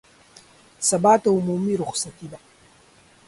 سبا ته عمومي رخصتي ده